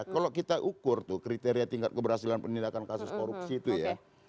kalau kita ukur tuh kriteria tingkat keberhasilan penindakan kasus korupsi itu ya